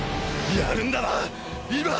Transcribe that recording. やるんだな⁉今！